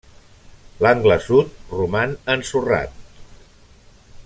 L'angle sud roman ensorrat.